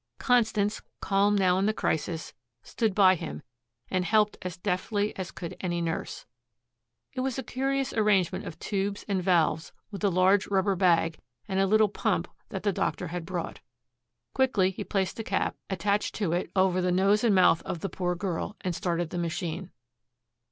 Constance, calm now in the crisis, stood by him and helped as deftly as could any nurse. It was a curious arrangement of tubes and valves, with a large rubber bag, and a little pump that the doctor had brought. Quickly he placed a cap, attached to it, over the nose and mouth of the poor girl, and started the machine.